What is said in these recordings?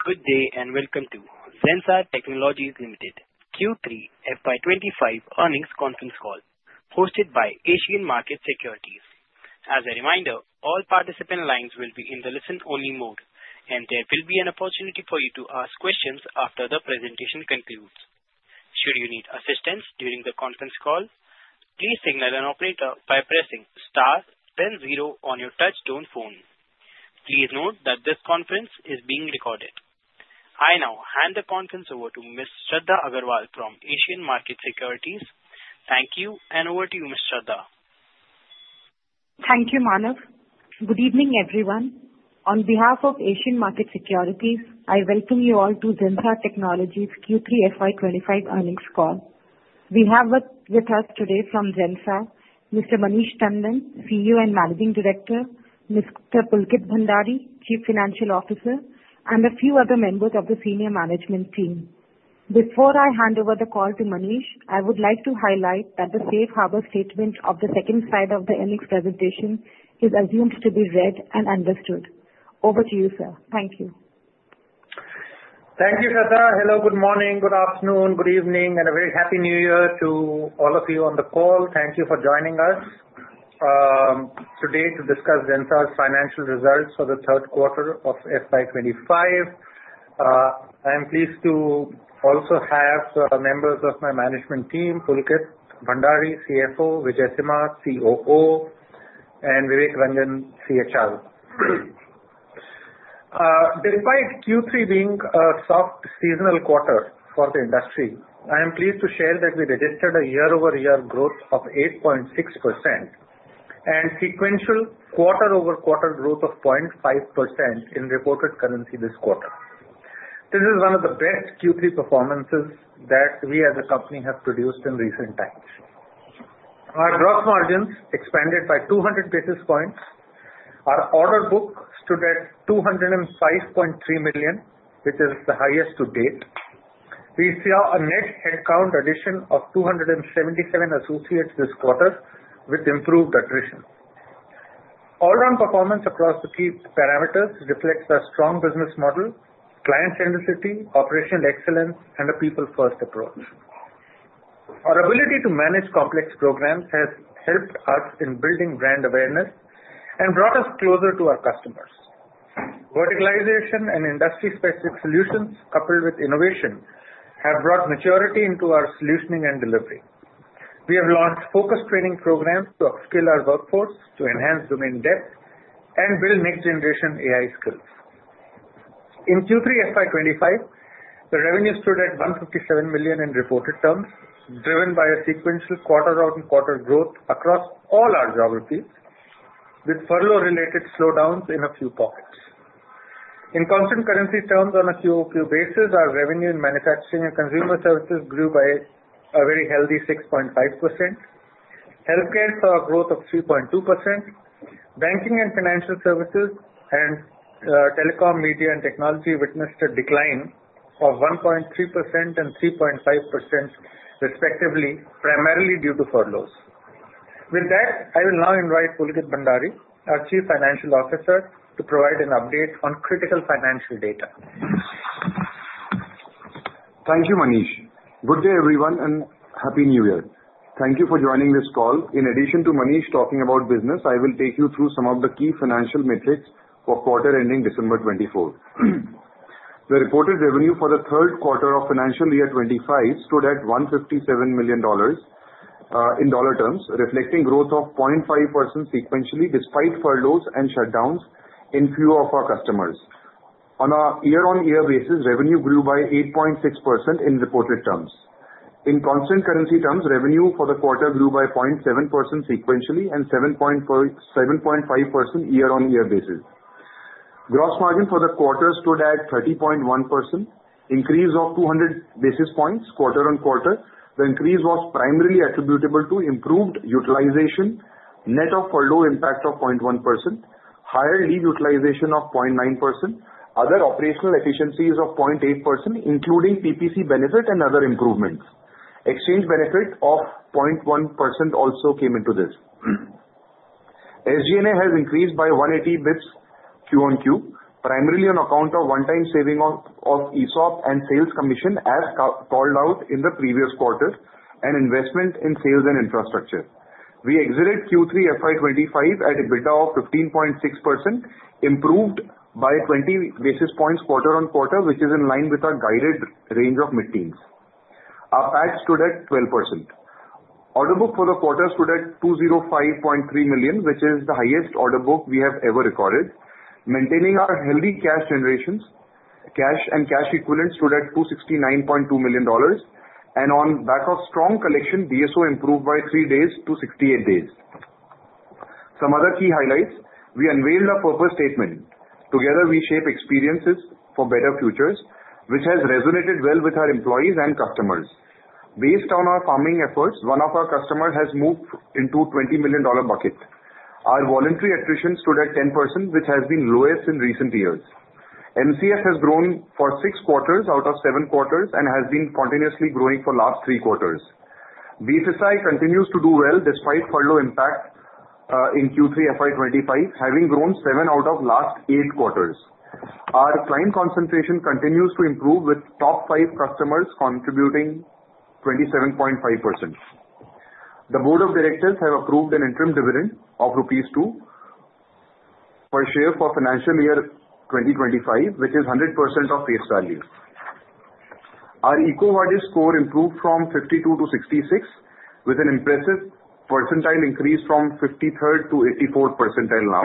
Good day and welcome to Zensar Technologies Ltd Q3 FY 2025 Earnings Conference Call, hosted by Asian Markets Securities. As a reminder, all participant lines will be in the listen-only mode, and there will be an opportunity for you to ask questions after the presentation concludes. Should you need assistance during the conference call, please signal an operator by pressing star then zero on your touchtone phone. Please note that this conference is being recorded. I now hand the conference over to Ms. Shradha Agrawal from Asian Markets Securities. Thank you, and over to you, Ms. Shradha. Thank you, Manav. Good evening, everyone. On behalf of Asian Markets Securities, I welcome you all to Zensar Technologies Q3 FY 2025 Earnings Call. We have with us today from Zensar Mr. Manish Tandon, CEO and Managing Director, Mr. Pulkit Bhandari, Chief Financial Officer, and a few other members of the senior management team. Before I hand over the call to Manish, I would like to highlight that the safe harbor statement of the second slide of the earnings presentation is assumed to be read and understood. Over to you, sir. Thank you. Thank you, Shradha. Hello, good morning, good afternoon, good evening, and a very happy New Year to all of you on the call. Thank you for joining us today to discuss Zensar's financial results for the third quarter of FY 2025. I'm pleased to also have members of my management team: Pulkit Bhandari, CFO; Vijayasimha, COO; and Vivek Ranjan, CHR. Despite Q3 being a soft, seasonal quarter for the industry, I am pleased to share that we registered a year-over-year growth of 8.6% and sequential quarter-over-quarter growth of 0.5% in reported currency this quarter. This is one of the best Q3 performances that we as a company have produced in recent times. Our gross margins expanded by 200 basis points. Our order book stood at $205.3 million, which is the highest to date. We saw a net headcount addition of 277 associates this quarter, with improved attrition. All-round performance across the key parameters reflects a strong business model, client centricity, operational excellence, and a people-first approach. Our ability to manage complex programs has helped us in building brand awareness and brought us closer to our customers. Verticalization and industry-specific solutions, coupled with innovation, have brought maturity into our solutioning and delivery. We have launched focused training programs to upskill our workforce, to enhance domain depth, and build next-generation AI skills. In Q3 FY 2025, the revenue stood at $157 million in reported terms, driven by a sequential quarter-on-quarter growth across all our geographies, with furlough-related slowdowns in a few pockets. In constant currency terms, on a QoQ basis, our revenue in Manufacturing and Consumer Services grew by a very healthy 6.5%. Healthcare saw a growth of 3.2%. Banking and Financial Services and Telecom, Media, and Technology witnessed a decline of 1.3% and 3.5%, respectively, primarily due to furloughs. With that, I will now invite Pulkit Bhandari, our Chief Financial Officer, to provide an update on critical financial data. Thank you, Manish. Good day, everyone, and happy New Year. Thank you for joining this call. In addition to Manish talking about business, I will take you through some of the key financial metrics for quarter ending December 2024. The reported revenue for the third quarter of financial year 2025 stood at $157 million in dollar terms, reflecting growth of 0.5% sequentially, despite furloughs and shutdowns in a few of our customers. On a year-on-year basis, revenue grew by 8.6% in reported terms. In constant currency terms, revenue for the quarter grew by 0.7% sequentially and 7.5% year-on-year basis. Gross margin for the quarter stood at 30.1%. Increase of 200 basis points quarter-on-quarter. The increase was primarily attributable to improved utilization, net of furlough impact of 0.1%, higher leave utilization of 0.9%, other operational efficiencies of 0.8%, including PPC benefit and other improvements. Exchange benefit of 0.1% also came into this. SG&A has increased by 180 basis points QoQ, primarily on account of one-time saving of ESOP and sales commission, as called out in the previous quarter, and investment in sales and infrastructure. We exited Q3 FY 2025 at an EBITDA of 15.6%, improved by 20 basis points quarter-on-quarter, which is in line with our guided range of mid-teens. Our PAT stood at 12%. Order book for the quarter stood at $205.3 million, which is the highest order book we have ever recorded. Maintaining our healthy cash generations, cash and cash equivalent stood at $269.2 million, and on back of strong collection, DSO improved by three days to 68 days. Some other key highlights: we unveiled our purpose statement, "Together we shape experiences for better futures," which has resonated well with our employees and customers. Based on our farming efforts, one of our customers has moved into a $20 million bucket. Our voluntary attrition stood at 10%, which has been lowest in recent years. MCS has grown for six quarters out of seven quarters and has been continuously growing for the last three quarters. BFSI continues to do well despite furlough impact in Q3 FY 2025, having grown seven out of the last eight quarters. Our client concentration continues to improve, with top five customers contributing 27.5%. The board of directors has approved an interim dividend of rupees 2 per share for financial year 2025, which is 100% of face value. Our EcoVadis score improved from 52 to 66, with an impressive percentile increase from 53rd to 84th percentile now.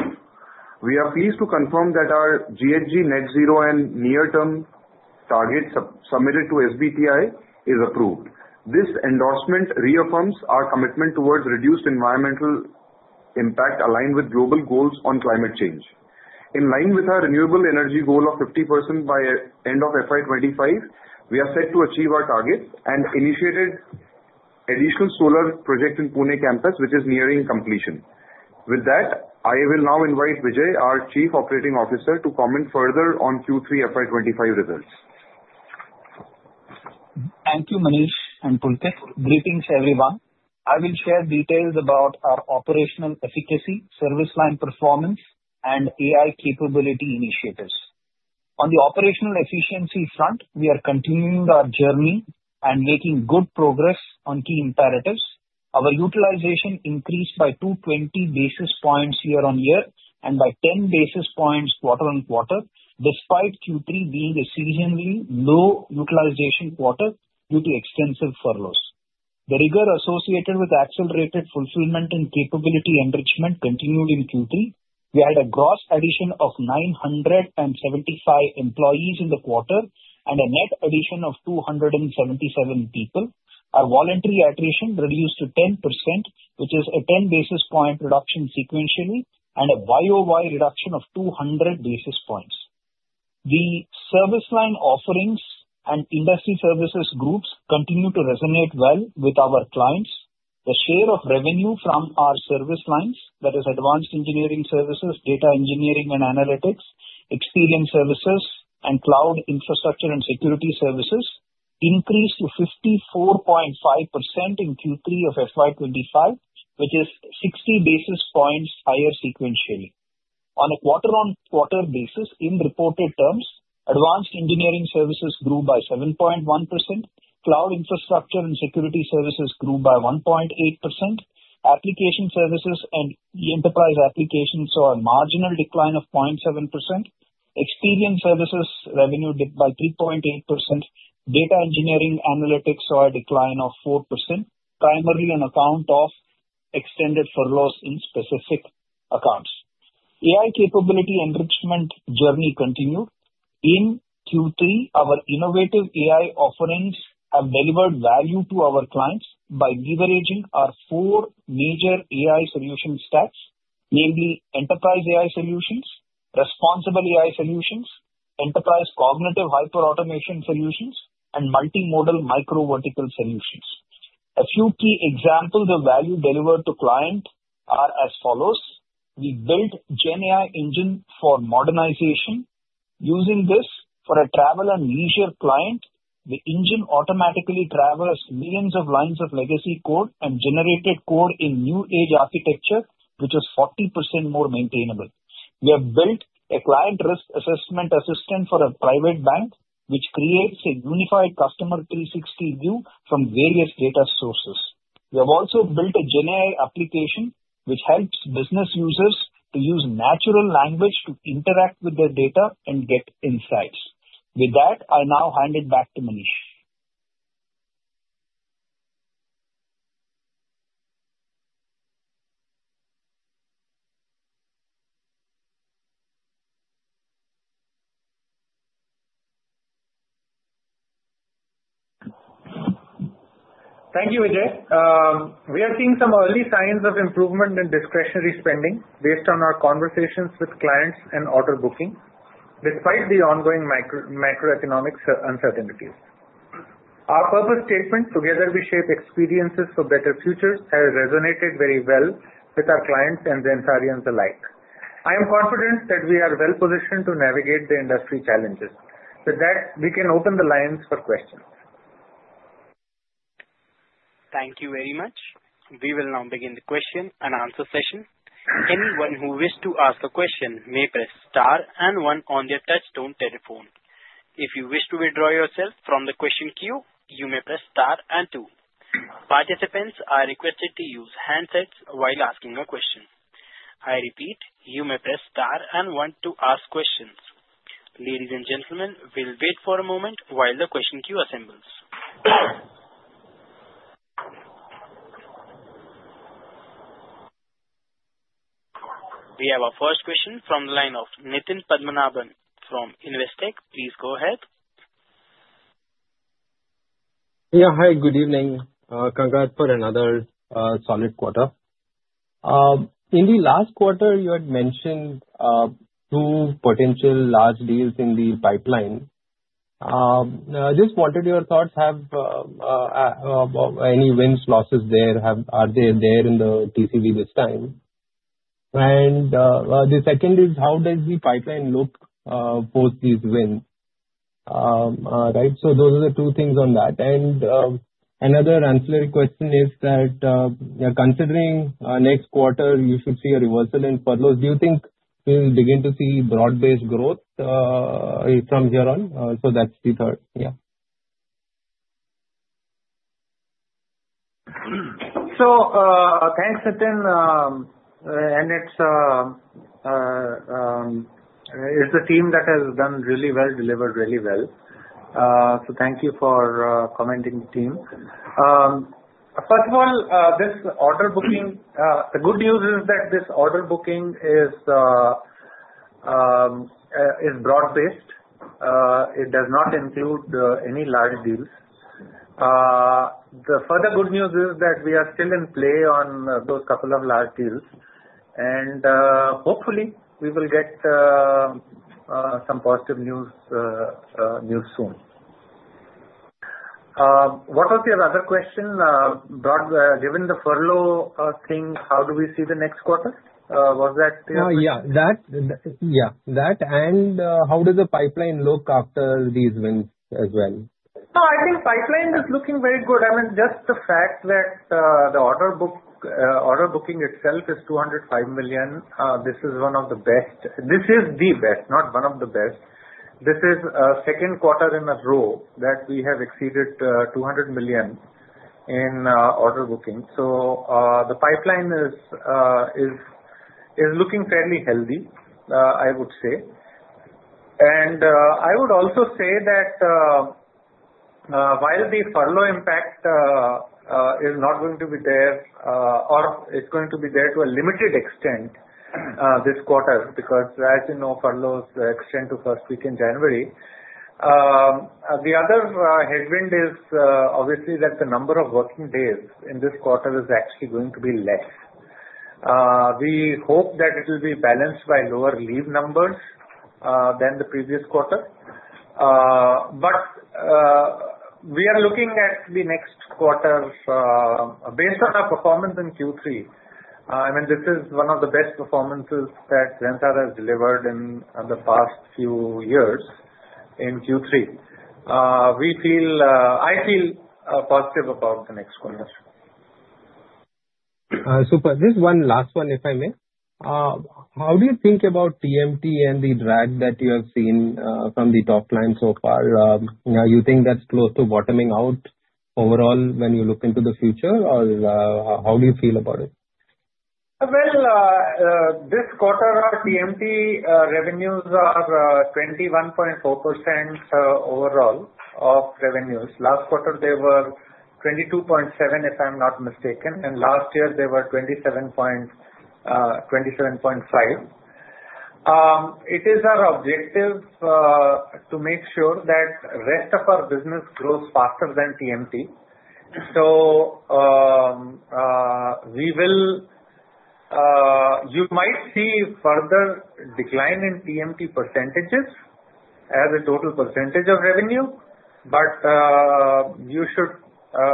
We are pleased to confirm that our GHG net zero and near-term target submitted to SBTi is approved. This endorsement reaffirms our commitment towards reduced environmental impact, aligned with global goals on climate change. In line with our renewable energy goal of 50% by the end of FY 2025, we are set to achieve our target and initiated an additional solar project in Pune campus, which is nearing completion. With that, I will now invite Vijay, our Chief Operating Officer, to comment further on Q3 FY 2025 results. Thank you, Manish and Pulkit. Greetings, everyone. I will share details about our operational efficiency, service line performance, and AI capability initiatives. On the operational efficiency front, we are continuing our journey and making good progress on key imperatives. Our utilization increased by 220 basis points year-on-year and by 10 basis points quarter-on-quarter, despite Q3 being a seasonally low utilization quarter due to extensive furloughs. The rigor associated with accelerated fulfillment and capability enrichment continued in Q3. We had a gross addition of 975 employees in the quarter and a net addition of 277 people. Our voluntary attrition reduced to 10%, which is a 10 basis point reduction sequentially and a YOY reduction of 200 basis points. The service line offerings and industry services groups continue to resonate well with our clients. The share of revenue from our service lines, that is, Advanced Engineering Services, Data Engineering and Analytics, Experience Services, and Cloud Infrastructure and Security Services, increased to 54.5% in Q3 of FY 2025, which is 60 basis points higher sequentially. On a quarter-on-quarter basis, in reported terms, Advanced Engineering Services grew by 7.1%. Cloud infrastructure and security services grew by 1.8%. Application Services and Enterprise Applications saw a marginal decline of 0.7%. Experience Services revenue dipped by 3.8%. Data engineering analytics saw a decline of 4%, primarily on account of extended furloughs in specific accounts. AI capability enrichment journey continued. In Q3, our innovative AI offerings have delivered value to our clients by leveraging our four major AI solution stacks, namely Enterprise AI Solutions, Responsible AI Solutions, Enterprise Cognitive Hyperautomation Solutions, and Multimodal Microvertical Solutions. A few key examples of value delivered to clients are as follows: we built GenAI Engine for modernization. Using this for a travel and leisure client, the engine automatically traverses millions of lines of legacy code and generated code in new-age architecture, which is 40% more maintainable. We have built a client risk assessment assistant for a private bank, which creates a unified customer 360 view from various data sources. We have also built a GenAI application, which helps business users to use natural language to interact with their data and get insights. With that, I now hand it back to Manish. Thank you, Vijay. We are seeing some early signs of improvement in discretionary spending based on our conversations with clients and order booking, despite the ongoing macroeconomic uncertainties. Our purpose statement, "Together we shape experiences for better futures," has resonated very well with our clients and Zensarians alike. I am confident that we are well-positioned to navigate the industry challenges. With that, we can open the lines for questions. Thank you very much. We will now begin the question and answer session. Anyone who wishes to ask a question may press star and one on their touch-tone telephone. If you wish to withdraw yourself from the question queue, you may press star and two. Participants are requested to use handsets while asking a question. I repeat, you may press star and one to ask questions. Ladies and gentlemen, we'll wait for a moment while the question queue assembles. We have our first question from the line of Nitin Padmanabhan from Investec. Please go ahead. Yeah, hi, good evening. Congrats for another solid quarter. In the last quarter, you had mentioned two potential large deals in the pipeline. I just wanted your thoughts: have any wins, losses there? Are they there in the TCV this time? And the second is, how does the pipeline look post these wins? Right? So those are the two things on that. And another answer to your question is that, considering next quarter, you should see a reversal in furloughs, do you think we'll begin to see broad-based growth from here on? So that's the third. Yeah. So thanks, Nitin. And it's the team that has done really well, delivered really well. So thank you for commenting on the team. First of all, the good news is that this order book is broad-based. It does not include any large deals. The further good news is that we are still in play on those couple of large deals. And hopefully, we will get some positive news soon. What was your other question? Given the furlough thing, how do we see the next quarter? Was that your question? Yeah. Yeah. That. And how does the pipeline look after these wins as well? No, I think pipeline is looking very good. I mean, just the fact that the order booking itself is $205 million, this is one of the best. This is the best, not one of the best. This is the second quarter in a row that we have exceeded $200 million in order booking. So the pipeline is looking fairly healthy, I would say. And I would also say that while the furlough impact is not going to be there, or it's going to be there to a limited extent this quarter, because, as you know, furloughs extend to first week in January. The other headwind is, obviously, that the number of working days in this quarter is actually going to be less. We hope that it will be balanced by lower leave numbers than the previous quarter. But we are looking at the next quarter based on our performance in Q3. I mean, this is one of the best performances that Zensar has delivered in the past few years in Q3. I feel positive about the next quarter. Super. Just one last one, if I may. How do you think about TMT and the drag that you have seen from the top line so far? Now, you think that's close to bottoming out overall when you look into the future, or how do you feel about it? This quarter, our TMT revenues are 21.4% overall of revenues. Last quarter, they were 22.7%, if I'm not mistaken, and last year, they were 27.5%. It is our objective to make sure that the rest of our business grows faster than TMT. You might see further decline in TMT percentages as a total percentage of revenue, but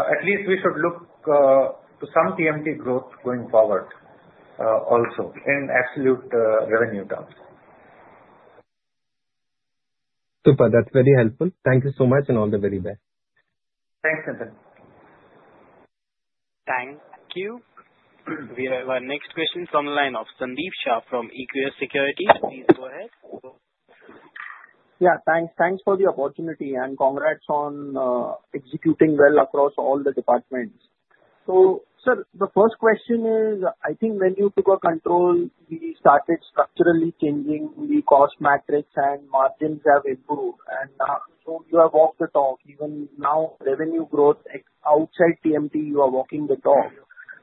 at least we should look to some TMT growth going forward also in absolute revenue terms. Super. That's very helpful. Thank you so much and all the very best. Thanks, Nitin. Thank you. We have our next question from the line of Sandeep Shah from Equirus Securities. Please go ahead. Yeah. Thanks. Thanks for the opportunity and congrats on executing well across all the departments. So, sir, the first question is, I think when you took control, we started structurally changing the cost matrix and margins have improved. And so you have walked the talk. Even now, revenue growth outside TMT, you are walking the talk.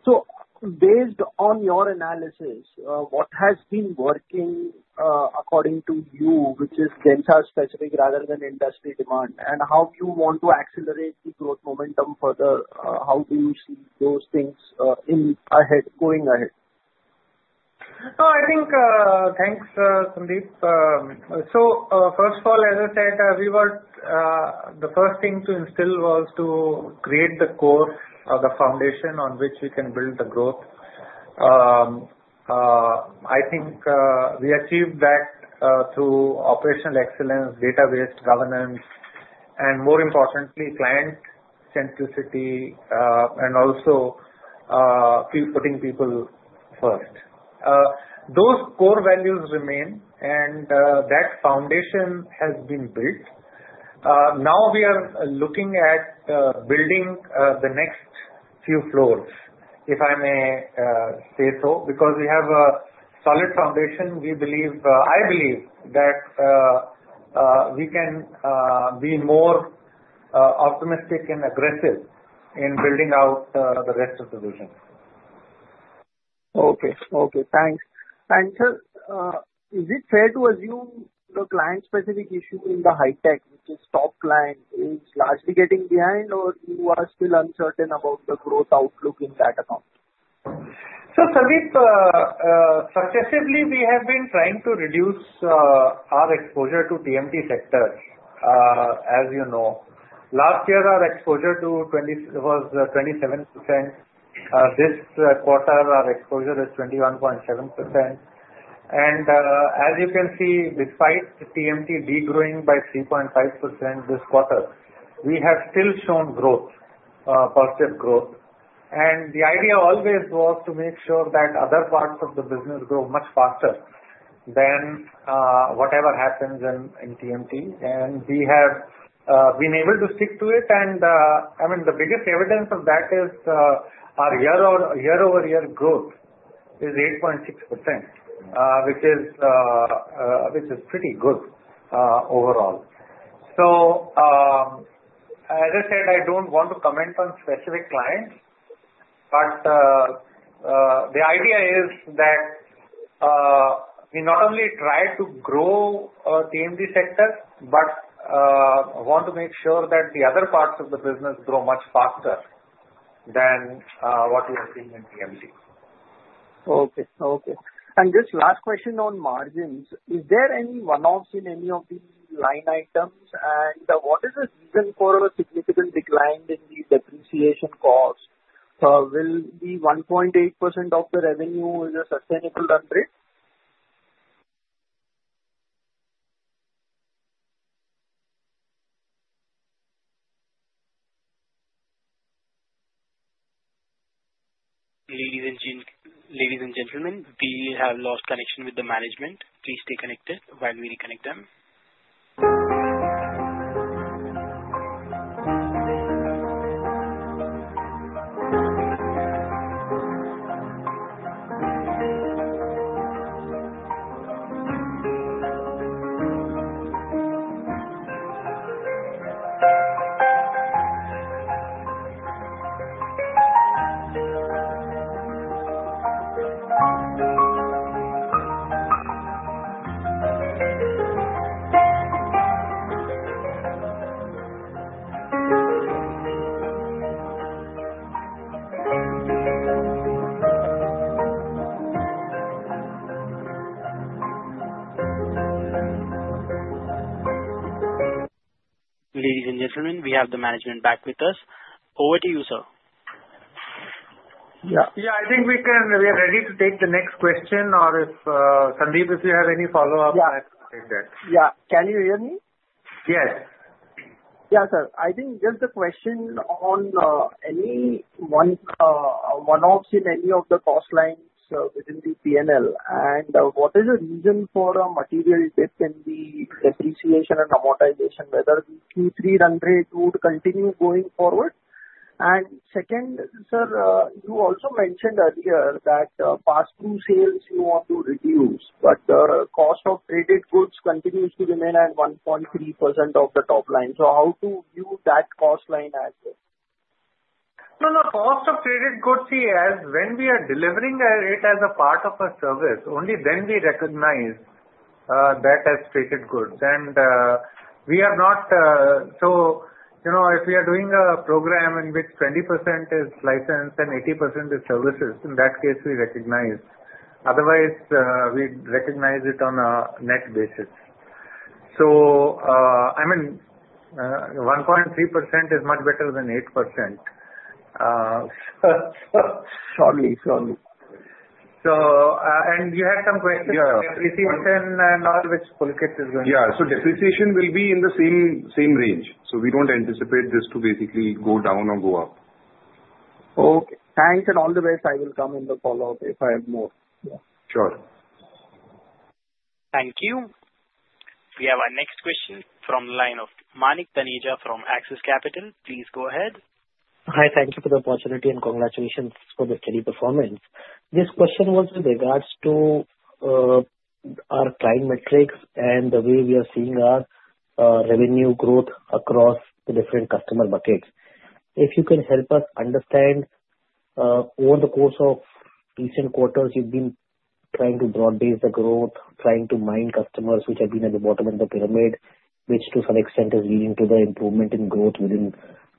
So based on your analysis, what has been working according to you, which is Zensar-specific rather than industry demand, and how do you want to accelerate the growth momentum further? How do you see those things going ahead? Oh, I think, thanks, Sandeep. So first of all, as I said, the first thing to instill was to create the core or the foundation on which we can build the growth. I think we achieved that through operational excellence, data-based governance, and more importantly, client centricity and also putting people first. Those core values remain, and that foundation has been built. Now, we are looking at building the next few floors, if I may say so, because we have a solid foundation. I believe that we can be more optimistic and aggressive in building out the rest of the vision. Okay. Okay. Thanks. And, sir, is it fair to assume the client-specific issue in the Hi-Tech, which is top client, is largely getting behind, or you are still uncertain about the growth outlook in that account? So, Sandeep, successively, we have been trying to reduce our exposure to TMT sector, as you know. Last year, our exposure was 27%. This quarter, our exposure is 21.7%. And as you can see, despite TMT degrowing by 3.5% this quarter, we have still shown positive growth. And the idea always was to make sure that other parts of the business grow much faster than whatever happens in TMT. And we have been able to stick to it. And I mean, the biggest evidence of that is our year-over-year growth is 8.6%, which is pretty good overall. So, as I said, I don't want to comment on specific clients, but the idea is that we not only try to grow TMT sector, but want to make sure that the other parts of the business grow much faster than what we have seen in TMT. Okay. And just last question on margins. Is there any one-offs in any of the line items? And what is the reason for a significant decline in the depreciation cost? Will the 1.8% of the revenue be a sustainable run rate? Ladies and gentlemen, we have lost connection with the management. Please stay connected while we reconnect them. Ladies and gentlemen, we have the management back with us. Over to you, sir. Yeah. Yeah. I think we're ready to take the next question. Or, Sandeep, if you have any follow-up, I can take that. Yeah. Can you hear me? Yes. Yeah, sir. I think just the question on any one-offs in any of the cost lines within the P&L. And what is the reason for a material dip in the depreciation and amortization, whether the Q3 run rate would continue going forward? And second, sir, you also mentioned earlier that pass-through sales you want to reduce, but the cost of traded goods continues to remain at 1.3% of the top line. So how do you view that cost line as? No, no. Cost of traded goods is when we are delivering it as a part of a service. Only then we recognize that as traded goods, and we are not so if we are doing a program in which 20% is license and 80% is services, in that case, we recognize. Otherwise, we recognize it on a net basis, so I mean, 1.3% is much better than 8%. Surely. Surely. You had some questions on depreciation and all, which Pulkit is going to. Yeah. So depreciation will be in the same range. So we don't anticipate this to basically go down or go up. Okay. Thanks, and all the best. I will come in the follow-up if I have more. Sure. Thank you. We have our next question from the line of Manik Taneja from Axis Capital. Please go ahead. Hi. Thank you for the opportunity and congratulations for the steady performance. This question was with regards to our client metrics and the way we are seeing our revenue growth across the different customer buckets. If you can help us understand over the course of recent quarters, you've been trying to broad base the growth, trying to mine customers which have been at the bottom of the pyramid, which to some extent is leading to the improvement in growth within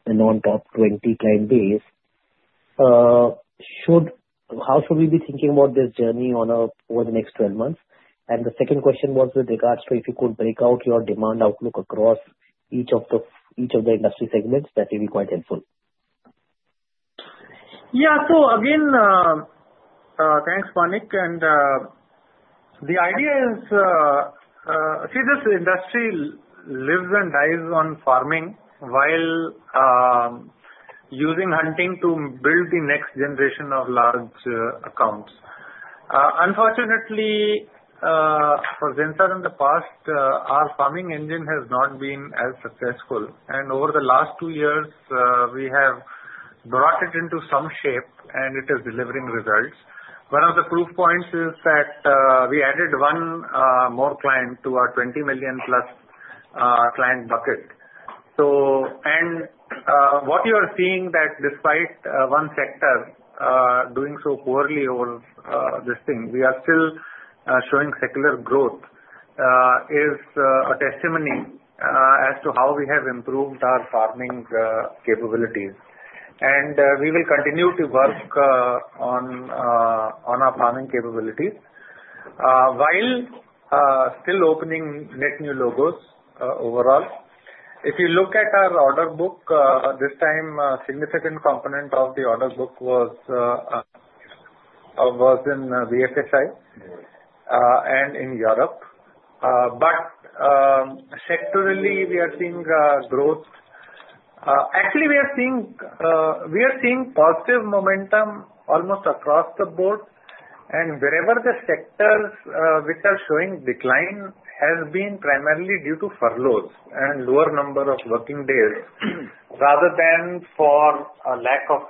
the non-top 20 client base. How should we be thinking about this journey over the next 12 months? And the second question was with regards to if you could break out your demand outlook across each of the industry segments, that would be quite helpful. Yeah. So again, thanks, Manik. And the idea is, see, this industry lives and dies on farming while using hunting to build the next generation of large accounts. Unfortunately, for Zensar in the past, our farming engine has not been as successful. And over the last two years, we have brought it into some shape, and it is delivering results. One of the proof points is that we added one more client to our 20 million-plus client bucket. And what you are seeing that despite one sector doing so poorly over this thing, we are still showing secular growth is a testimony as to how we have improved our farming capabilities. And we will continue to work on our farming capabilities while still opening net new logos overall. If you look at our order book, this time, a significant component of the order book was in BFSI and in Europe. But sectorally, we are seeing growth. Actually, we are seeing positive momentum almost across the board. And wherever the sectors which are showing decline has been primarily due to furloughs and lower number of working days rather than for a lack of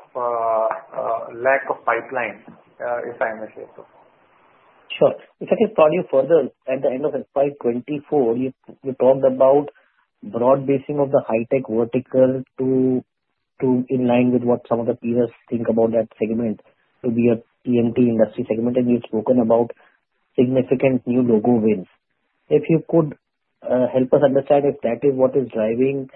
pipeline, if I may say so. Sure. If I can prod you further, at the end of FY 2024, you talked about broad basing of the high-tech vertical in line with what some of the peers think about that segment to be a TMT industry segment. And you've spoken about significant new logo wins. If you could help us understand if that is what is driving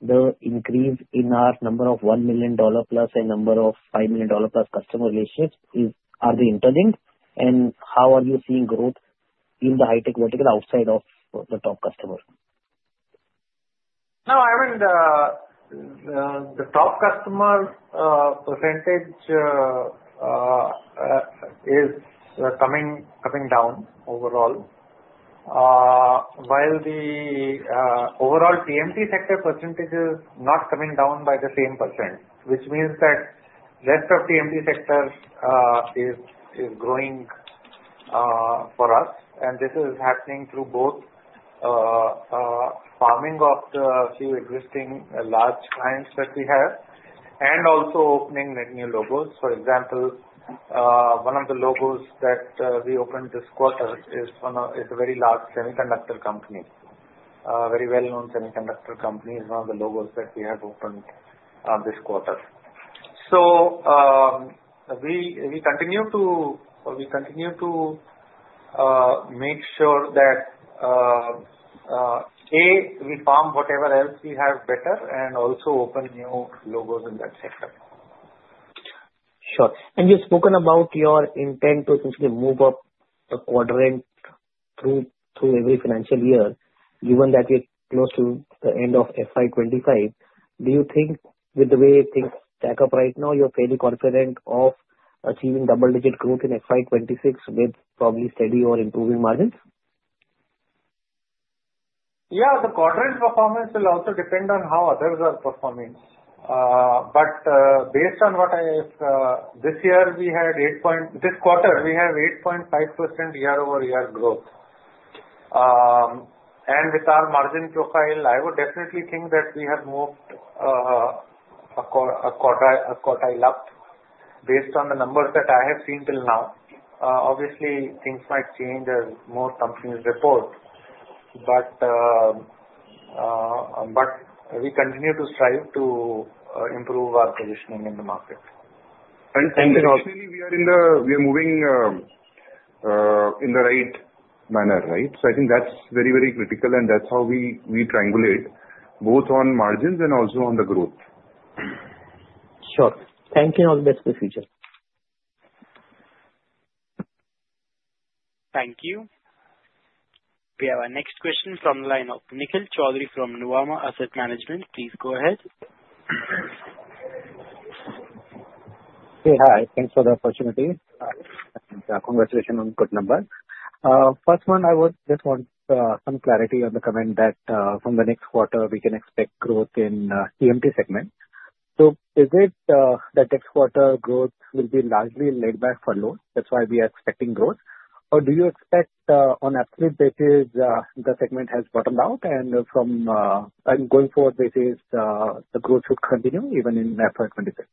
the increase in our number of $1 million-plus and number of $5 million-plus customer relationships, are they interlinked? And how are you seeing growth in the high-tech vertical outside of the top customer? No. I mean, the top customer percentage is coming down overall, while the overall TMT sector percentage is not coming down by the same %, which means that the rest of TMT sector is growing for us. And this is happening through both farming of the few existing large clients that we have and also opening net new logos. For example, one of the logos that we opened this quarter is a very large semiconductor company, a very well-known semiconductor company, is one of the logos that we have opened this quarter. So we continue to make sure that, A, we farm whatever else we have better and also open new logos in that sector. Sure. And you've spoken about your intent to essentially move up a quadrant through every financial year, given that we're close to the end of FY 2025. Do you think with the way things stack up right now, you're fairly confident of achieving double-digit growth in FY 2026 with probably steady or improving margins? Yeah. The quadrant performance will also depend on how others are performing. But based on what I have this year, we had this quarter, we have 8.5% year-over-year growth. And with our margin profile, I would definitely think that we have moved a quartile up based on the numbers that I have seen till now. Obviously, things might change as more companies report, but we continue to strive to improve our positioning in the market. And traditionally, we are moving in the right manner, right? So I think that's very, very critical, and that's how we triangulate both on margins and also on the growth. Sure. Thank you. All the best for the future. Thank you. We have our next question from the line of Nikhil Choudhary from Nuvama Asset Management. Please go ahead. Hey, hi. Thanks for the opportunity. Congratulations on good numbers. First one, I would just want some clarity on the comment that from the next quarter, we can expect growth in TMT segment. So is it that next quarter growth will be largely laid back for loans? That's why we are expecting growth. Or do you expect on absolute basis the segment has bottomed out, and from going forward basis, the growth should continue even in FY 2026?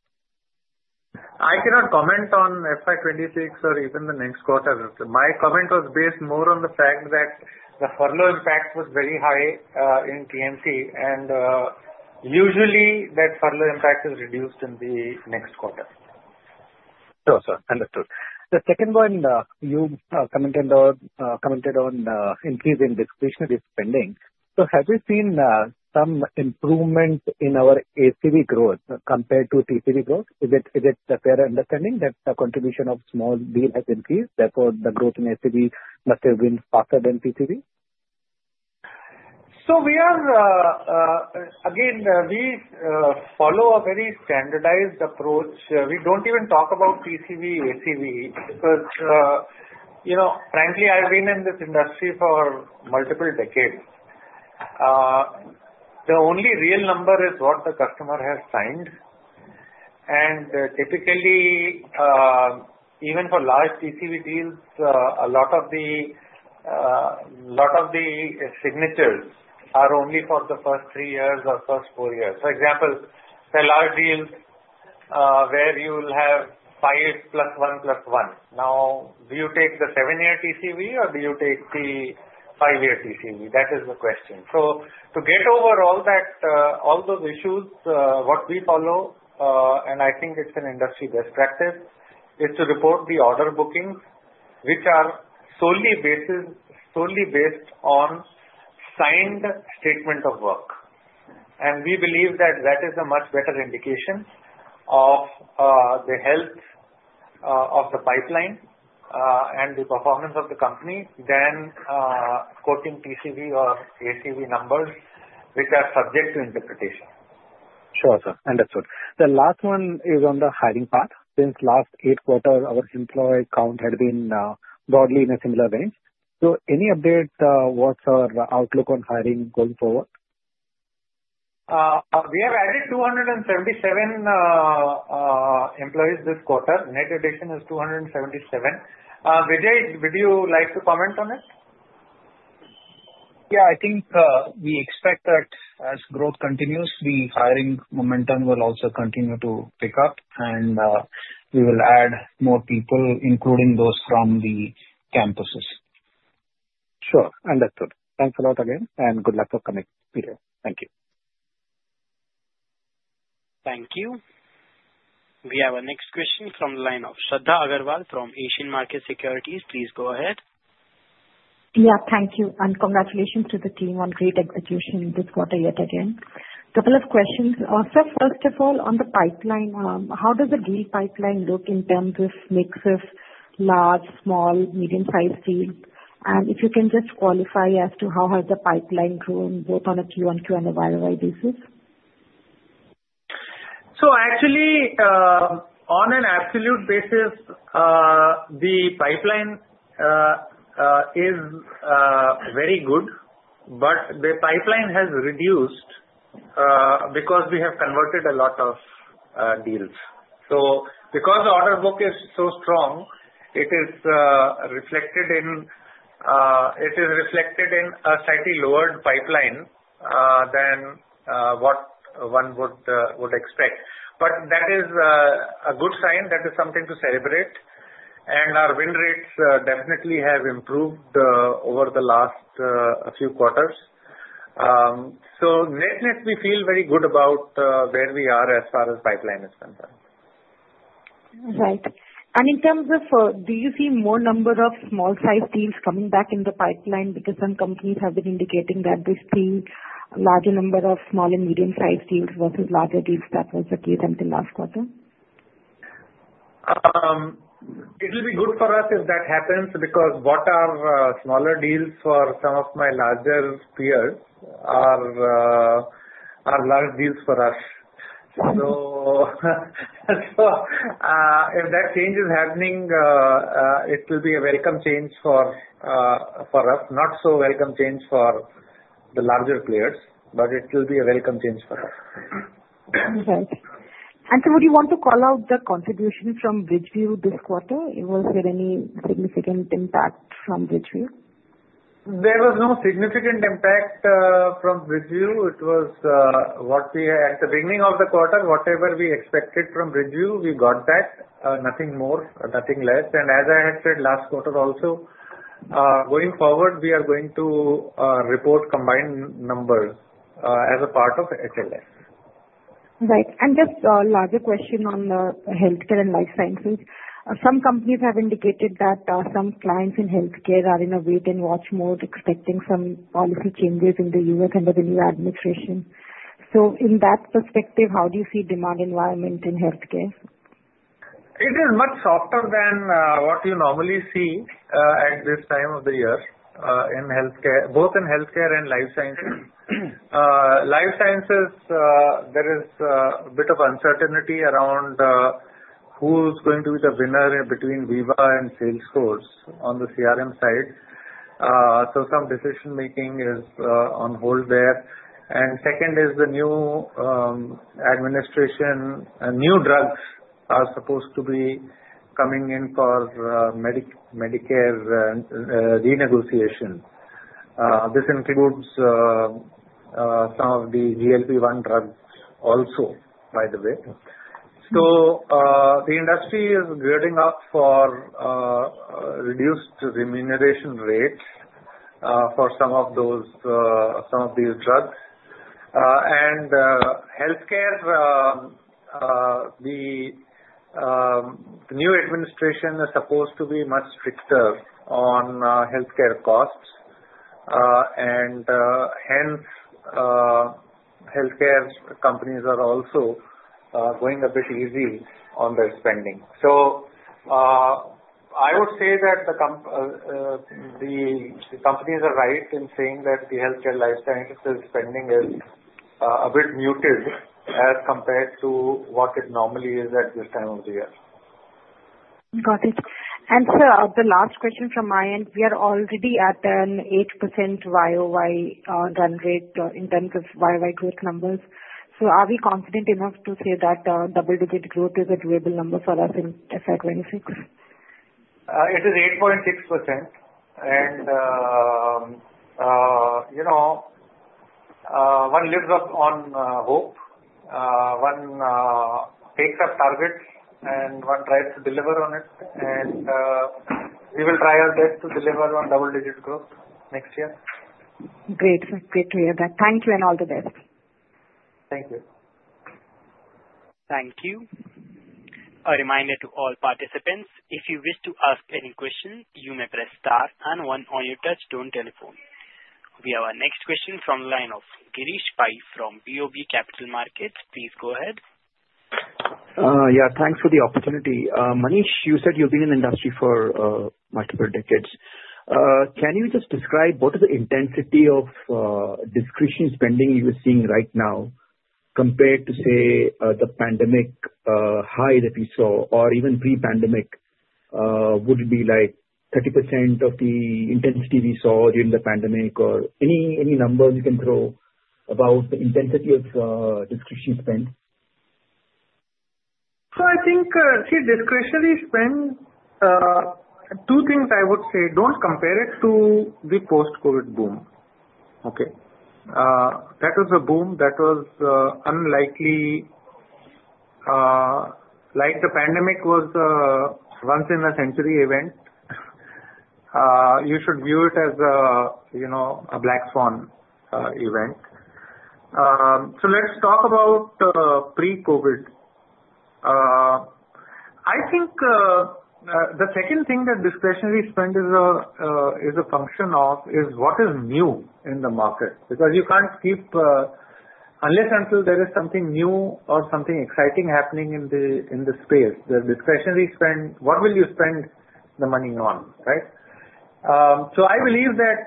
I cannot comment on FY 2026 or even the next quarter. My comment was based more on the fact that the furlough impact was very high in TMT, and usually, that furlough impact is reduced in the next quarter. Sure, sir. Understood. The second point, you commented on increase in discretionary spending. So have you seen some improvement in our ACV growth compared to TCV growth? Is it a fair understanding that the contribution of small deal has increased? Therefore, the growth in ACV must have been faster than TCV? So again, we follow a very standardized approach. We don't even talk about TCV, ACV, because frankly, I've been in this industry for multiple decades. The only real number is what the customer has signed. And typically, even for large TCV deals, a lot of the signatures are only for the first three years or first four years. For example, the large deals where you will have five plus one plus one. Now, do you take the seven-year TCV, or do you take the five-year TCV? That is the question. So to get over all those issues, what we follow, and I think it's an industry best practice, is to report the order bookings, which are solely based on signed statement of work. We believe that that is a much better indication of the health of the pipeline and the performance of the company than quoting TCV or ACV numbers, which are subject to interpretation. Sure, sir. Understood. The last one is on the hiring plan. Since last eight quarters, our employee count had been broadly in a similar range. So any update? What's our outlook on hiring going forward? We have added 277 employees this quarter. Net addition is 277. Vijay, would you like to comment on it? Yeah. I think we expect that as growth continues, the hiring momentum will also continue to pick up, and we will add more people, including those from the campuses. Sure. Understood. Thanks a lot again, and good luck for coming. Thank you. Thank you. We have our next question from the line of Shradha Agrawal from Asian Markets Securities. Please go ahead. Yeah. Thank you. And congratulations to the team on great execution this quarter yet again. A couple of questions. So first of all, on the pipeline, how does the deal pipeline look in terms of mix of large, small, medium-sized deals? And if you can just qualify as to how has the pipeline grown both on a Q1, Q2, and a YoY basis? So actually, on an absolute basis, the pipeline is very good, but the pipeline has reduced because we have converted a lot of deals. So because the order book is so strong, it is reflected in a slightly lowered pipeline than what one would expect. But that is a good sign. That is something to celebrate. And our win rates definitely have improved over the last few quarters. So net net, we feel very good about where we are as far as pipeline is concerned. Right. And in terms of, do you see more number of small-sized deals coming back in the pipeline because some companies have been indicating that they see a larger number of small and medium-sized deals versus larger deals that was the case until last quarter? It will be good for us if that happens because what are smaller deals for some of my larger peers are large deals for us. So if that change is happening, it will be a welcome change for us, not so welcome change for the larger players, but it will be a welcome change for us. Right. And so would you want to call out the contribution from BridgeView this quarter? Was there any significant impact from BridgeView? There was no significant impact from BridgeView. It was what we had at the beginning of the quarter. Whatever we expected from BridgeView, we got that, nothing more or nothing less. And as I had said last quarter also, going forward, we are going to report combined numbers as a part of HLS. Right. And just a larger question on the healthcare and life sciences. Some companies have indicated that some clients in healthcare are in a wait-and-watch mode, expecting some policy changes in the U.S. under the new administration. So in that perspective, how do you see the demand environment in healthcare? It is much softer than what you normally see at this time of the year in healthcare, both in healthcare and life sciences. Life sciences, there is a bit of uncertainty around who's going to be the winner between Veeva and Salesforce on the CRM side. So some decision-making is on hold there. And second is the new administration, new drugs are supposed to be coming in for Medicare renegotiation. This includes some of the GLP-1 drugs also, by the way. So the industry is gearing up for reduced remuneration rates for some of these drugs. And healthcare, the new administration is supposed to be much stricter on healthcare costs. And hence, healthcare companies are also going a bit easy on their spending. So I would say that the companies are right in saying that the healthcare life sciences spending is a bit muted as compared to what it normally is at this time of the year. Got it. And so the last question from my end, we are already at an 8% YoY run rate in terms of YoY growth numbers. So are we confident enough to say that double-digit growth is a doable number for us in FY 2026? It is 8.6%. And one lives on hope. One takes up targets, and one tries to deliver on it. And we will try our best to deliver on double-digit growth next year. Great. Great to hear that. Thank you, and all the best. Thank you. Thank you. A reminder to all participants, if you wish to ask any question, you may press star and one-on-one touch-tone telephone. We have our next question from the line of Girish Pai from BOB Capital Markets. Please go ahead. Yeah. Thanks for the opportunity. Manish, you said you've been in the industry for multiple decades. Can you just describe what is the intensity of discretionary spending you're seeing right now compared to, say, the pandemic high that we saw, or even pre-pandemic? Would it be like 30% of the intensity we saw during the pandemic, or any number you can throw about the intensity of discretionary spend? So I think, see, discretionary spend, two things I would say. Don't compare it to the post-COVID boom. Okay? That was a boom that was unlikely. Like the pandemic was a once-in-a-century event, you should view it as a black swan event. So let's talk about pre-COVID. I think the second thing that discretionary spend is a function of is what is new in the market because you can't keep unless until there is something new or something exciting happening in the space, the discretionary spend, what will you spend the money on, right? So I believe that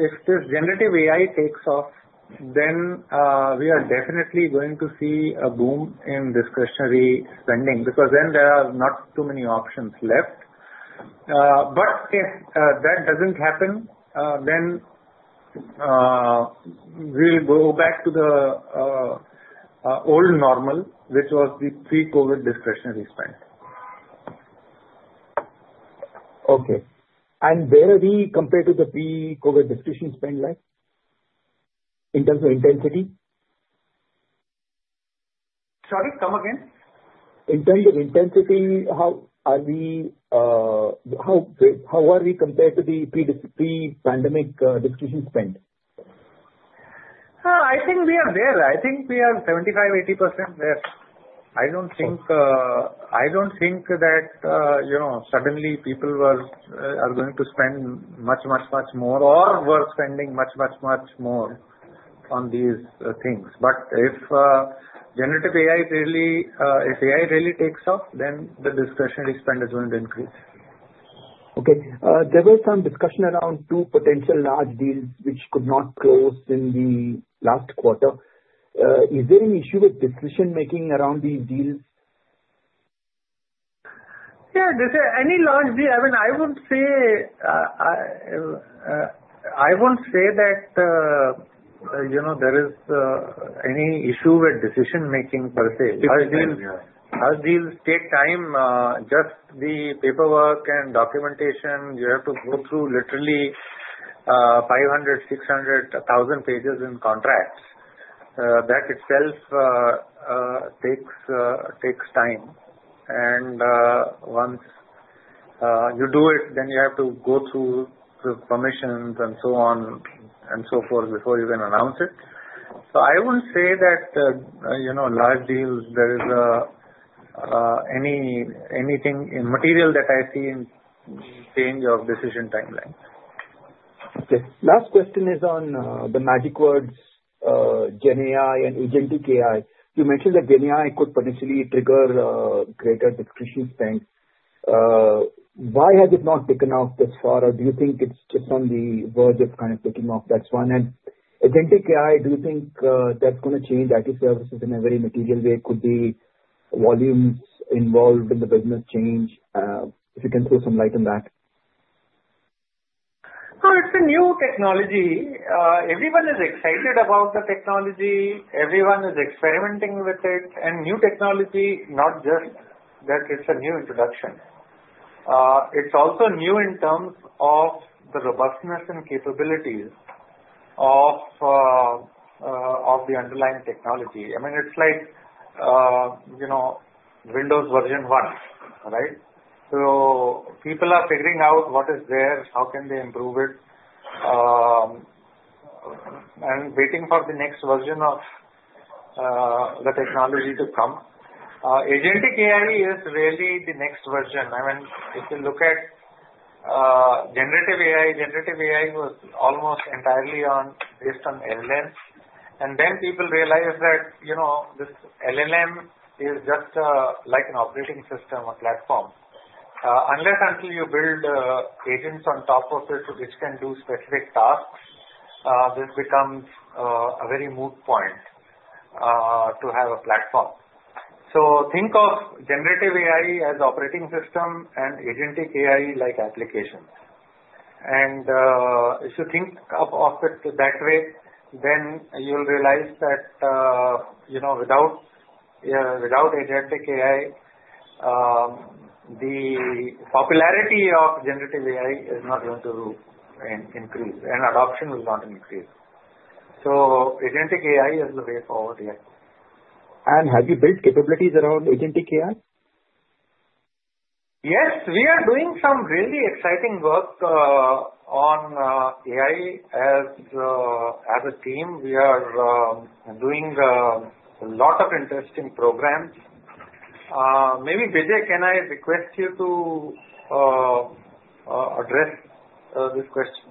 if this generative AI takes off, then we are definitely going to see a boom in discretionary spending because then there are not too many options left. But if that doesn't happen, then we'll go back to the old normal, which was the pre-COVID discretionary spend. Okay, and where are we compared to the pre-COVID discretionary spend in terms of intensity? Sorry, come again? In terms of intensity, how are we compared to the pre-pandemic discretionary spend? I think we are there. I think we are 75%-80% there. I don't think that suddenly people are going to spend much, much, much more or were spending much, much, much more on these things. But if generative AI really takes off, then the discretionary spend is going to increase. Okay. There was some discussion around two potential large deals which could not close in the last quarter. Is there any issue with decision-making around these deals? Yeah. Any large deal? I mean, I would say I won't say that there is any issue with decision-making per se. Those deals take time. Just the paperwork and documentation, you have to go through literally 500, 600, 1,000 pages in contracts. That itself takes time. And once you do it, then you have to go through the permissions and so on and so forth before you can announce it. So I wouldn't say that large deals, there is anything material that I see in change of decision timelines. Okay. Last question is on the magic words GenAI and agentic AI. You mentioned that GenAI could potentially trigger greater discretionary spend. Why has it not taken off thus far? Or do you think it's just on the verge of kind of taking off? That's one. And agentic AI, do you think that's going to change IT services in a very material way? Could be volumes involved in the business change, if you can throw some light on that? It's a new technology. Everyone is excited about the technology. Everyone is experimenting with it. New technology, not just that it's a new introduction. It's also new in terms of the robustness and capabilities of the underlying technology. I mean, it's like Windows version one, right? People are figuring out what is there, how can they improve it, and waiting for the next version of the technology to come. agentic AI is really the next version. I mean, if you look at generative AI, generative AI was almost entirely based on LLM. Then people realize that this LLM is just like an operating system, a platform. Unless until you build agents on top of it, which can do specific tasks, this becomes a very moot point to have a platform. Think of generative AI as operating system and agentic AI like applications. If you think of it that way, then you'll realize that without agentic AI, the popularity of generative AI is not going to increase, and adoption will not increase. agentic AI is the way forward here. Have you built capabilities around agentic AI? Yes. We are doing some really exciting work on AI as a team. We are doing a lot of interesting programs. Maybe Vijay, can I request you to address this question?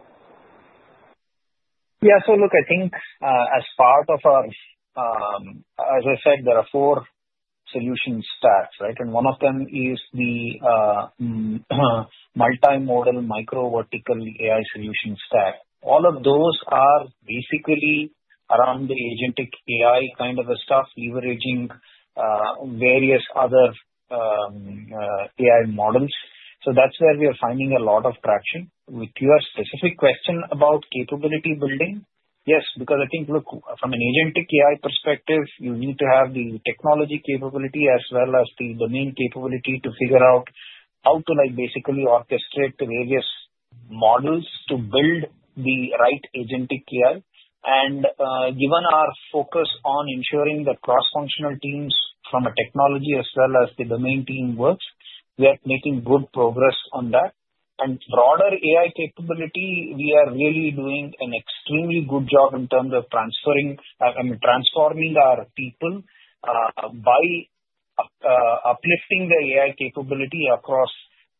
Yeah. So look, I think as part of our, as I said, there are four solution stacks, right? And one of them is the multi-modal micro vertical AI solution stack. All of those are basically around the agentic AI kind of stuff, leveraging various other AI models. So that's where we are finding a lot of traction. With your specific question about capability building, yes, because I think, look, from an agentic AI perspective, you need to have the technology capability as well as the domain capability to figure out how to basically orchestrate the various models to build the right agentic AI. And given our focus on ensuring that cross-functional teams from a technology as well as the domain team works, we are making good progress on that. And broader AI capability, we are really doing an extremely good job in terms of transferring and transforming our people by uplifting the AI capability across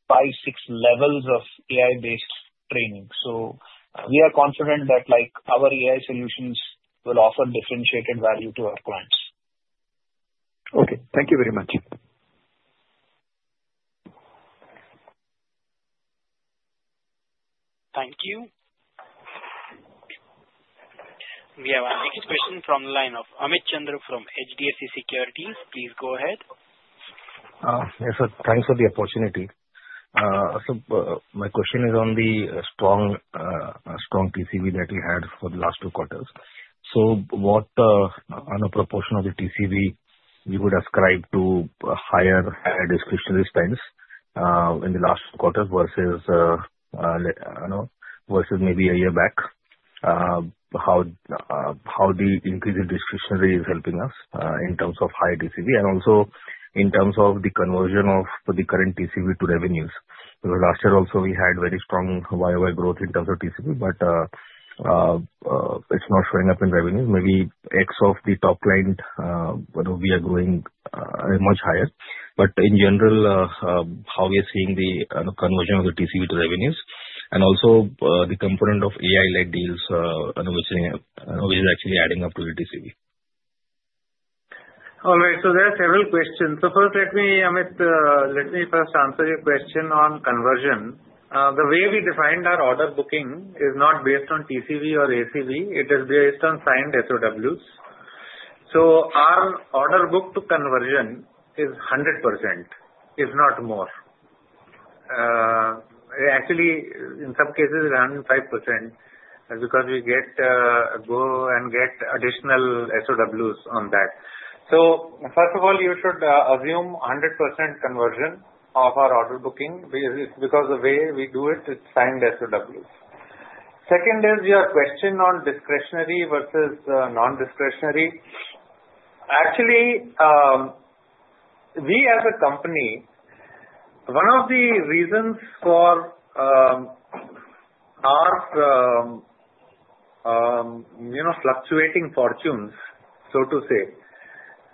five, six levels of AI-based training. So we are confident that our AI solutions will offer differentiated value to our clients. Okay. Thank you very much. Thank you. We have our next question from the line of Amit Chandra from HDFC Securities. Please go ahead. Yes, sir. Thanks for the opportunity. So my question is on the strong TCV that we had for the last two quarters. So what proportion of the TCV you would ascribe to higher discretionary spends in the last two quarters versus maybe a year back? How the increase in discretionary is helping us in terms of higher TCV and also in terms of the conversion of the current TCV to revenues? Because last year also, we had very strong YoY growth in terms of TCV, but it's not showing up in revenues. Maybe one of the top clients we are growing much higher. But in general, how we are seeing the conversion of the TCV to revenues and also the component of AI-led deals which is actually adding up to the TCV? All right. So there are several questions. So first, let me first answer your question on conversion. The way we defined our order booking is not based on TCV or ACV. It is based on signed SOWs. So our order book to conversion is 100%, if not more. Actually, in some cases, around 5% because we go and get additional SOWs on that. So first of all, you should assume 100% conversion of our order booking because the way we do it is signed SOWs. Second is your question on discretionary versus non-discretionary. Actually, we as a company, one of the reasons for our fluctuating fortunes, so to say,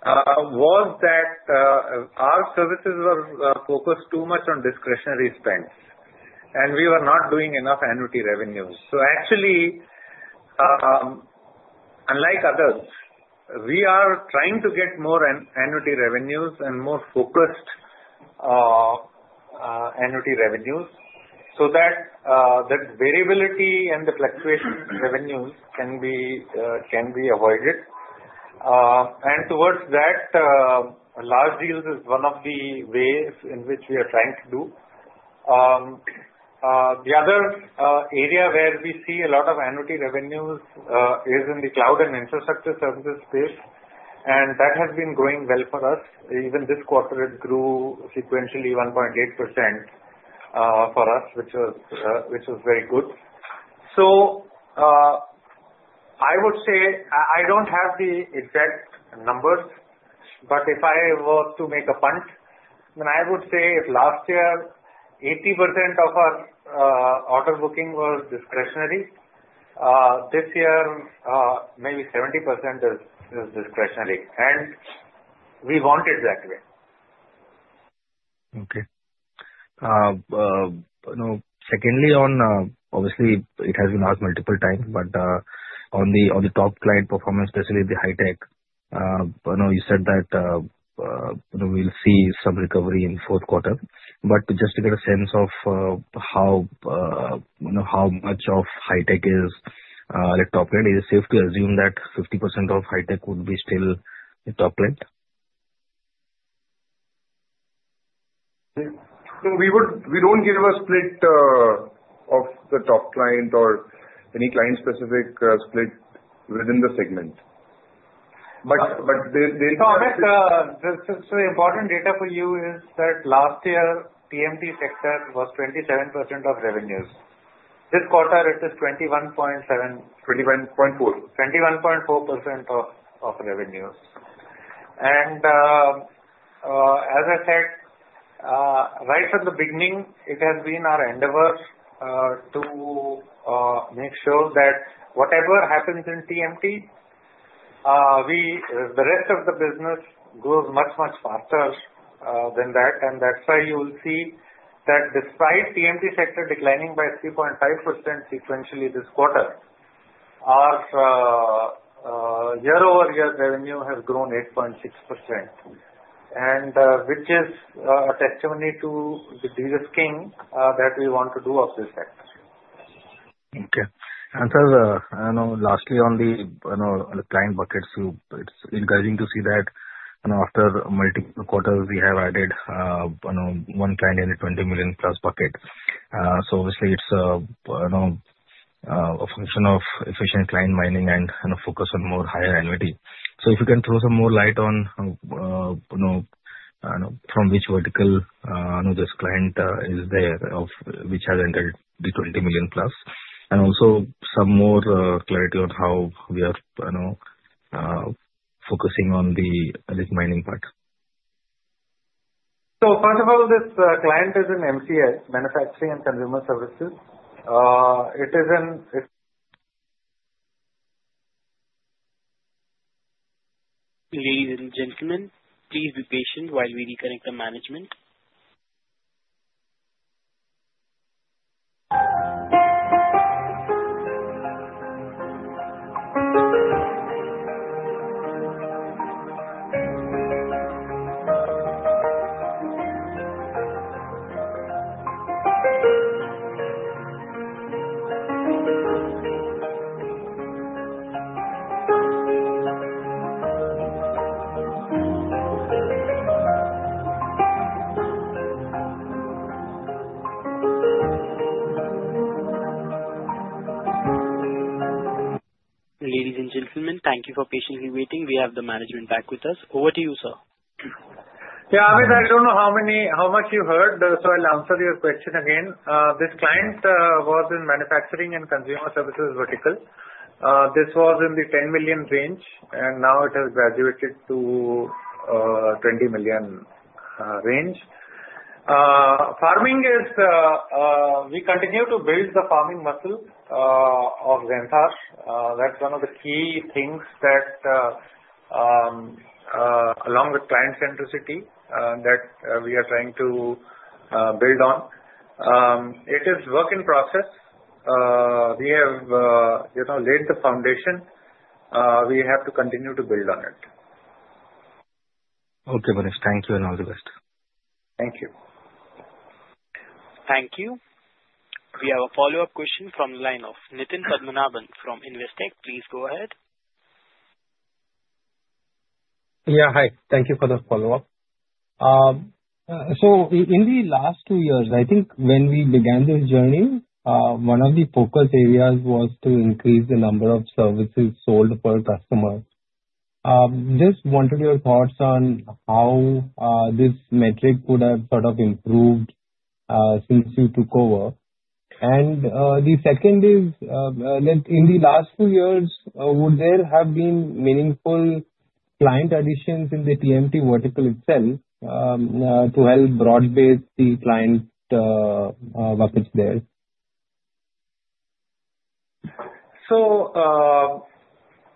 was that our services were focused too much on discretionary spend, and we were not doing enough annuity revenues. Actually, unlike others, we are trying to get more annuity revenues and more focused annuity revenues so that variability and the fluctuation revenues can be avoided. And towards that, large deals is one of the ways in which we are trying to do. The other area where we see a lot of annuity revenues is in the cloud and infrastructure services space, and that has been growing well for us. Even this quarter, it grew sequentially 1.8% for us, which was very good. I would say I don't have the exact numbers, but if I were to make a punt, then I would say if last year 80% of our order booking was discretionary, this year maybe 70% is discretionary. And we want it that way. Okay. Secondly, obviously, it has been asked multiple times, but on the top client performance, especially the high tech, you said that we'll see some recovery in fourth quarter. But just to get a sense of how much of high tech is top client, is it safe to assume that 50% of high tech would be still top client? So we don't give a split of the top client or any client-specific split within the segment. But they'll. So Amit, this is important data for you is that last year, TMT sector was 27% of revenues. This quarter, it is 21.7%. 21.4%. 21.4% of revenues. And as I said, right from the beginning, it has been our endeavor to make sure that whatever happens in TMT, the rest of the business grows much, much faster than that. And that's why you will see that despite TMT sector declining by 3.5% sequentially this quarter, our year-over-year revenue has grown 8.6%, which is a testimony to the de-risking that we want to do of this sector. Okay. And sir, lastly, on the client buckets, it's encouraging to see that after multiple quarters, we have added one client in the 20 million-plus bucket. So obviously, it's a function of efficient client mining and focus on more higher annuity. So if you can throw some more light on from which vertical this client is there, which has entered the 20 million-plus, and also some more clarity on how we are focusing on the mining part. So first of all, this client is an MCS, Manufacturing and Consumer Services. It is an. Ladies and gentlemen, please be patient while we reconnect the management. Ladies and gentlemen, thank you for patiently waiting. We have the management back with us. Over to you, sir. Yeah, Amit, I don't know how much you heard, so I'll answer your question again. This client was in Manufacturing and Consumer Services vertical. This was in the 10 million range, and now it has graduated to 20 million range. Farming is we continue to build the farming muscle of Zensar. That's one of the key things that, along with client centricity, that we are trying to build on. It is a work in process. We have laid the foundation. We have to continue to build on it. Okay, Manish. Thank you and all the best. Thank you. Thank you. We have a follow-up question from the line of Nitin Padmanabhan from Investec. Please go ahead. Yeah, hi. Thank you for the follow-up. So in the last two years, I think when we began this journey, one of the focus areas was to increase the number of services sold per customer. Just wanted your thoughts on how this metric would have sort of improved since you took over, and the second is, in the last two years, would there have been meaningful client additions in the TMT vertical itself to help broaden the client buckets there?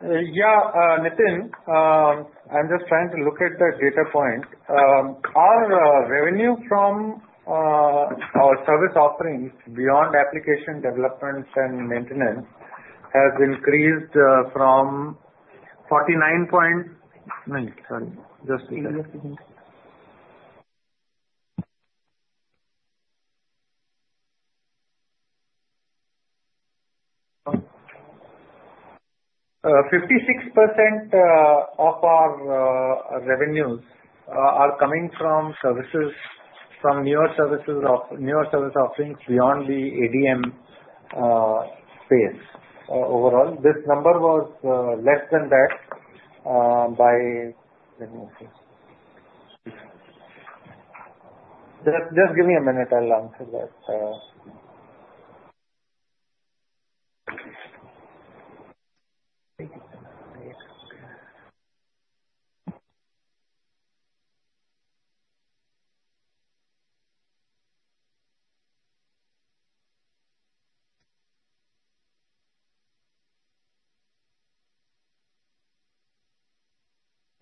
Yeah, Nitin, I'm just trying to look at the data point. Our revenue from our service offerings beyond application development and maintenance has increased from 49 point no, sorry. Just a second. 56% of our revenues are coming from newer services offerings beyond the ADM space overall. This number was less than that by just give me a minute. I'll answer that.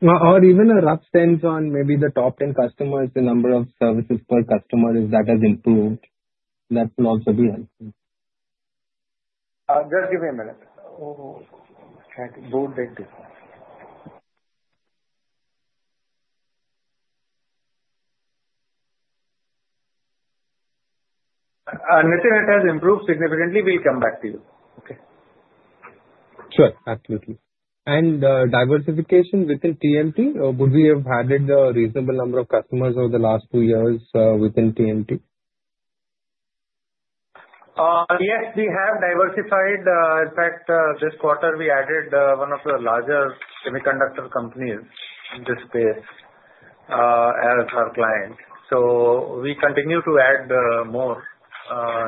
Or even a rough sense on maybe the top 10 customers, the number of services per customer is that has improved. That will also be helpful. Just give me a minute. Oh, okay. Nitin, it has improved significantly. We'll come back to you. Okay. Sure. Absolutely. And diversification within TMT, would we have added a reasonable number of customers over the last two years within TMT? Yes, we have diversified. In fact, this quarter, we added one of the larger semiconductor companies in this space as our client. So we continue to add more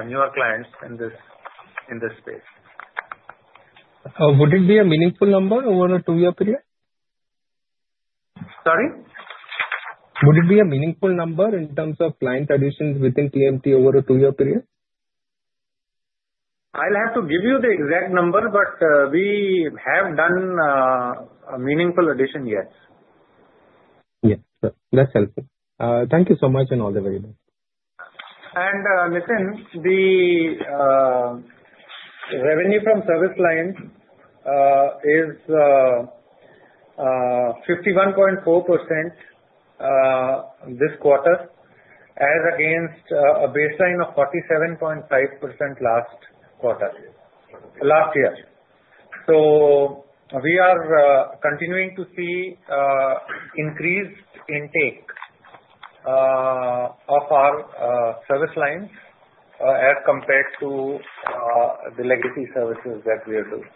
newer clients in this space. Would it be a meaningful number over a two-year period? Sorry? Would it be a meaningful number in terms of client additions within TMT over a two-year period? I'll have to give you the exact number, but we have done a meaningful addition, yes. Yes. That's helpful. Thank you so much and all the very best. Nitin, the revenue from service lines is 51.4% this quarter as against a baseline of 47.5% last year. We are continuing to see increased intake of our service lines as compared to the legacy services that we are doing.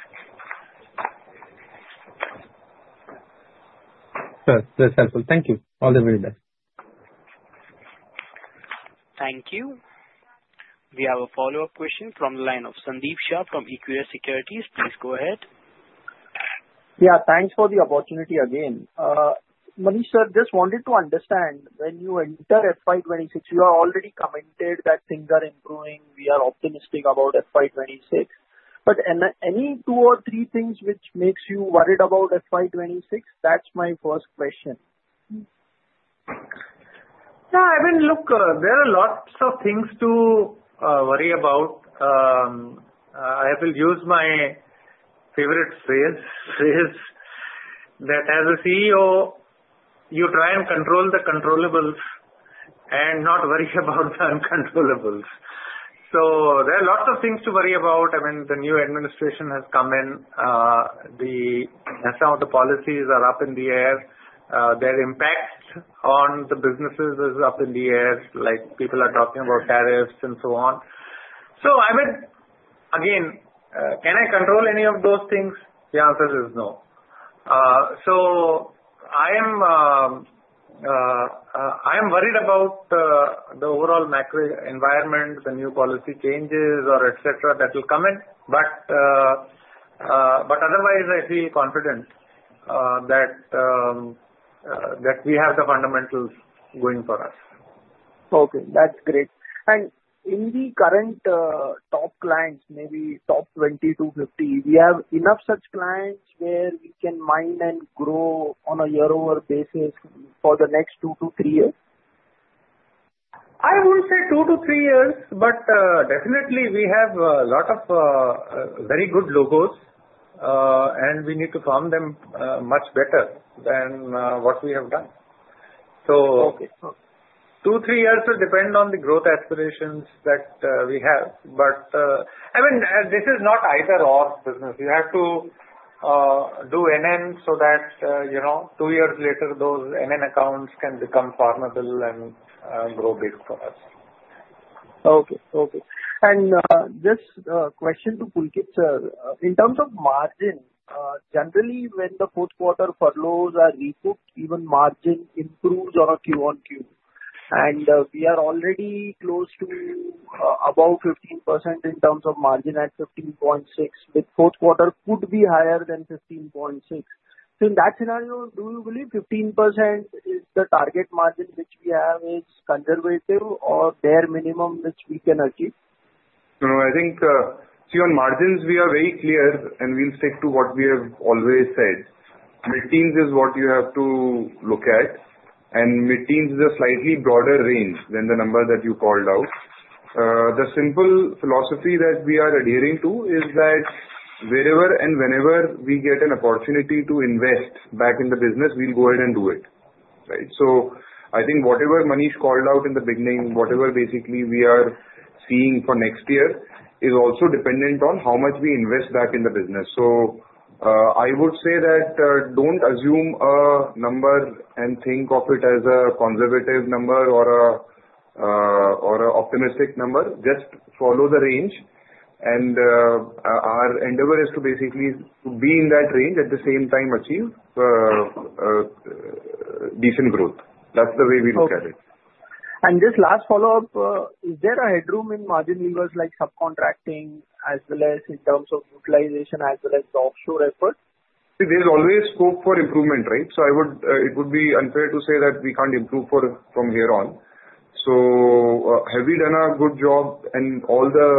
Sure. That's helpful. Thank you. All the very best. Thank you. We have a follow-up question from the line of Sandeep Shah from Equirus Securities. Please go ahead. Yeah. Thanks for the opportunity again. Manish, sir, just wanted to understand when you enter FY 2026, you are already commented that things are improving. We are optimistic about FY 2026. But any two or three things which makes you worried about FY 2026? That's my first question. Yeah, I mean, look, there are lots of things to worry about. I will use my favorite phrase that as a CEO, you try and control the controllable and not worry about the uncontrollables. So there are lots of things to worry about. I mean, the new administration has come in. Some of the policies are up in the air. Their impact on the businesses is up in the air. People are talking about tariffs and so on. So I mean, again, can I control any of those things? The answer is no. I am worried about the overall macro environment, the new policy changes, or etc., that will come in. But otherwise, I feel confident that we have the fundamentals going for us. Okay. That's great. In the current top clients, maybe top 20-50, we have enough such clients where we can mine and grow on a year-over basis for the next two to three years? I would say two to three years, but definitely, we have a lot of very good logos, and we need to farm them much better than what we have done. So two to three years will depend on the growth aspirations that we have. But I mean, this is not either/or business. You have to do NN so that two years later, those NN accounts can become farmable and grow big for us. Okay. Okay. Just a question to Pulkit sir. In terms of margin, generally, when the fourth quarter furloughs are recouped, even margin improves on a QoQ, and we are already close to above 15% in terms of margin at 15.6%, with fourth quarter could be higher than 15.6%, so in that scenario, do you believe 15% is the target margin which we have is conservative or bare minimum which we can achieve? No, I think, see, on margins, we are very clear, and we'll stick to what we have always said. Mid-teens is what you have to look at, and mid-teens is a slightly broader range than the number that you called out. The simple philosophy that we are adhering to is that wherever and whenever we get an opportunity to invest back in the business, we'll go ahead and do it, right? So I think whatever Manish called out in the beginning, whatever basically we are seeing for next year is also dependent on how much we invest back in the business. So I would say that don't assume a number and think of it as a conservative number or an optimistic number. Just follow the range. Our endeavor is to basically be in that range at the same time achieve decent growth. That's the way we look at it. Just last follow-up, is there a headroom in margin levers like subcontracting as well as in terms of utilization as well as the offshore effort? There's always scope for improvement, right? So it would be unfair to say that we can't improve from here on. So have we done a good job, and all the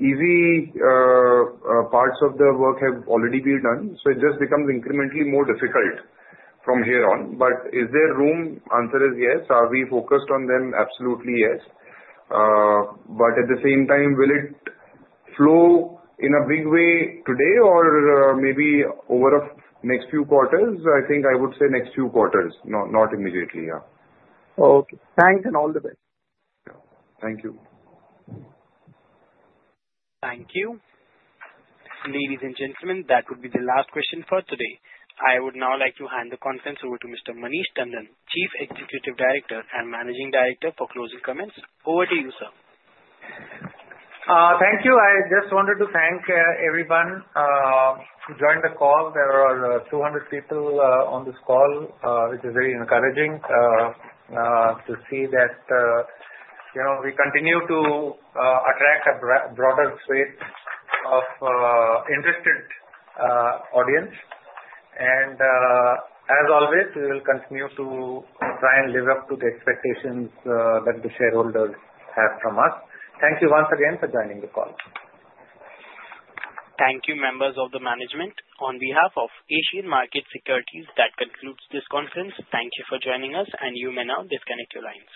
easy parts of the work have already been done? So it just becomes incrementally more difficult from here on. But is there room? Answer is yes. Are we focused on them? Absolutely yes. But at the same time, will it flow in a big way today or maybe over the next few quarters? I think I would say next few quarters, not immediately. Yeah. Okay. Thanks and all the best. Thank you. Thank you. Ladies and gentlemen, that would be the last question for today. I would now like to hand the conference over to Mr. Manish Tandon, Chief Executive Officer and Managing Director for closing comments. Over to you, sir. Thank you. I just wanted to thank everyone who joined the call. There are 200 people on this call, which is very encouraging to see that we continue to attract a broader switch of interested audience, and as always, we will continue to try and live up to the expectations that the shareholders have from us. Thank you once again for joining the call. Thank you, members of the management. On behalf of Asian Markets Securities, that concludes this conference. Thank you for joining us, and you may now disconnect your lines.